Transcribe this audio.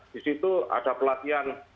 di situ ada pelatihan